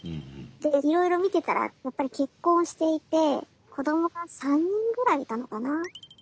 でいろいろ見てたらやっぱり結婚していて子どもが３人ぐらいいたのかな。